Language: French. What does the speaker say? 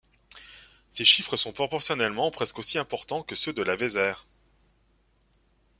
Ces chiffres sont proportionnellement presque aussi importants que ceux de la Vézère.